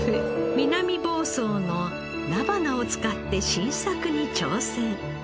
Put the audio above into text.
南房総の菜花を使って新作に挑戦。